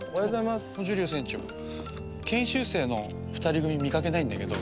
ジュリオ船長研修生の２人組見かけないんだけど。